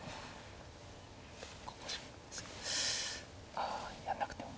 ああやらなくても。